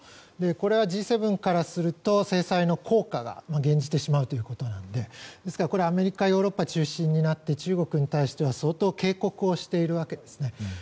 これはＧ７からすると制裁の効果が減じてしまうということなのでアメリカヨーロッパが中心となって中国に対しては相当警告をしているわけですね。